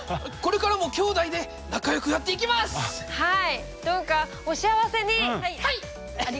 はい！